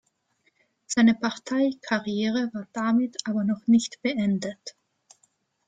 Seine Parteikarriere war damit aber noch nicht beendet.